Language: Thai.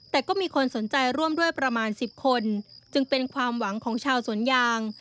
แต่ก็มีคนสนใจร่วมด้วยประมาณ๑๐คนจึงเป็นความหวังของชาวสวนยาง